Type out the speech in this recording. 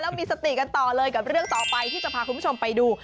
แล้วมีสติกันต่อเลยกับเรื่องต่อไปที่จะพาคุณผู้ชมไปดู